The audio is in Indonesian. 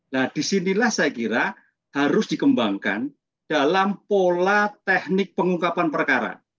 nah disinilah saya kira harus dikembangkan dalam pola teknik pengungkapan perkara